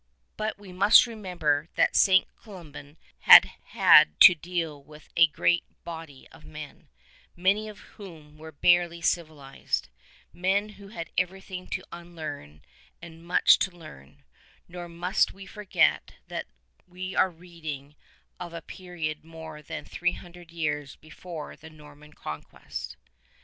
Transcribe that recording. But we must remember that St. Columban had had to deal with a great body of men, many of whom were barely civilized ; men who had everything tO' unlearn and much to learn ; nor must we forget that we are reading of a period more than three hundred years before the Norman Conquest.